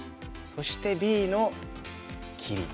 そしてＢの切り。